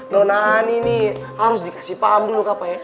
nona ani nih harus dikasih paham dulu kapa ya